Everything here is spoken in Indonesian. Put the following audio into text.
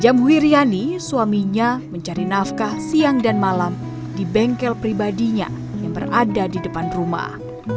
jam wiryani suaminya mencari nafkah siang dan malam di bengkel pribadinya yang berada di depan rumah